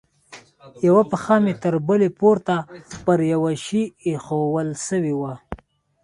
يوه پښه مې تر بلې پورته پر يوه شي ايښوول سوې وه.